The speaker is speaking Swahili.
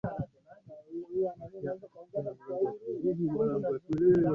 kunyonywa na mataifa makubwa Uchumi wa Afrika umemezwa kabisa kabisa na nchi nyingine